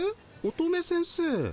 乙女先生。